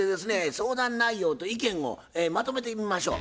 相談内容と意見をまとめてみましょう。